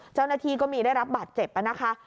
เจ้าหน้าที่ก็มีได้รับบาดเจ็บนะคะ